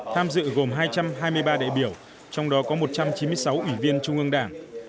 tham dự gồm hai trăm hai mươi ba đại biểu trong đó có một trăm chín mươi sáu ủy viên trung ương đảng